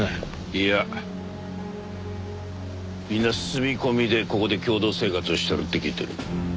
いやみんな住み込みでここで共同生活をしてるって聞いてる。